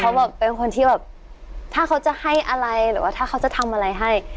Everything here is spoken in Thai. เขาแบบเป็นคนที่แบบถ้าเขาจะให้อะไรหรือว่าถ้าเขาจะทำอะไรให้